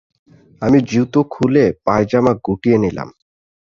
আমি জুতো খুলে পায়জামা গুটিয়ে নিলাম।